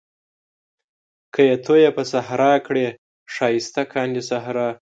که يې تويې په صحرا کړې ښايسته کاندي صحرا